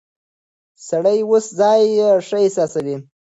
سړی اوس ځان ښه احساسوي.